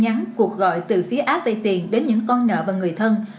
đây là những tin nhắn cuộc gọi từ phía áp về tiền đến những con nợ và người thân